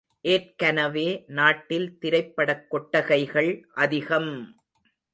ஏற்கனவே நாட்டில் திரைப்படக் கொட்டகைகள் அதிகம்!